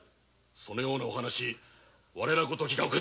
そのようなお話我らごときが。